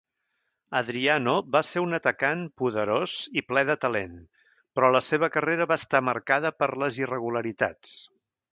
Adriano va ser un atacant poderós i ple de talent, però la seva carrera va estar marcada per les irregularitats.